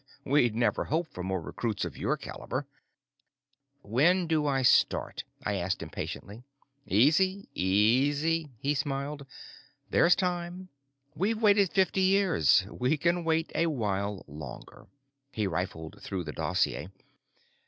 We'd never hoped for more recruits of your caliber." "When do I start?" I asked impatiently. "Easy, easy," he smiled. "There's time. We've waited fifty years; we can wait a while longer." He riffled through the dossier.